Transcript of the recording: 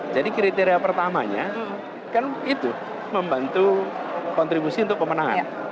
jadi kriteria pertamanya itu membantu kontribusi untuk pemenangan